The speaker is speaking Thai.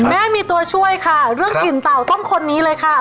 แม่มีตัวช่วยค่ะเรื่องกลิ่นเต่าต้องคนนี้เลยค่ะ